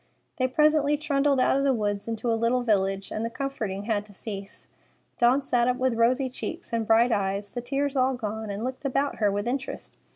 They presently trundled out of the woods into a little village, and the comforting had to cease. Dawn sat up with rosy cheeks and bright eyes, the tears all gone, and looked about her with interest.